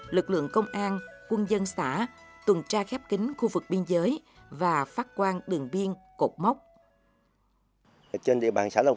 lực lượng công an quân dân xã tuần tra khép kính khu vực biên giới và phát quan đường biên cột mốc